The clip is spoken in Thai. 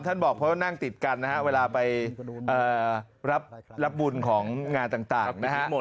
ท่านบอกนั่งติดกันเวลาไปรับบุญของงานต่าง